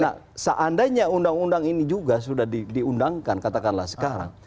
nah seandainya undang undang ini juga sudah diundangkan katakanlah sekarang